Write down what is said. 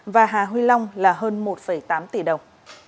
và hà huy long là hơn một tám tỷ đồng